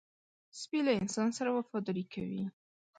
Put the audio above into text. سپي له انسان سره وفاداري کوي.